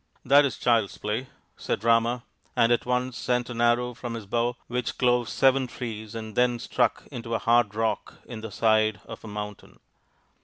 " That is child's play," said Rama, and at once sent an arrow from his bow which clove seven trees and then stuck into a hard rock in the side of a mountain.